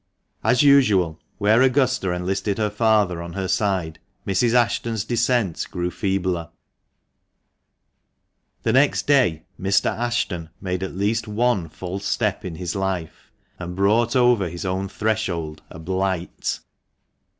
As usual, where Augusta enlisted her father on her side, Mrs. Ashton's dissent grew feebler, The next day Mr. Ashton made at least one false step in his life, and brought over his own threshold a blight.